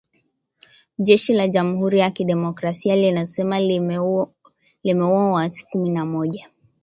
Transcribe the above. Jeshi la jamhuri ya kidemokrasia linasema limeua waasi kumi na moja